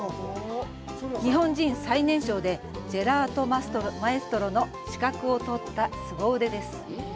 日本人最年少でジェラートマエストロの資格を取ったすご腕です。